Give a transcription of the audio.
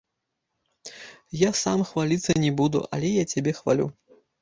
Я сам хваліцца не буду, але я цябе хвалю.